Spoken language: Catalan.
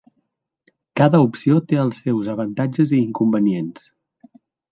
Cada opció té els seus avantatges i inconvenients.